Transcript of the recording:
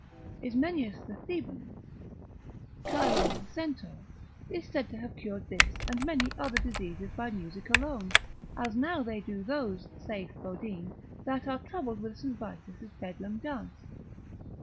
Ismenias the Theban, Chiron the centaur, is said to have cured this and many other diseases by music alone: as now they do those, saith Bodine, that are troubled with St. Vitus's Bedlam dance.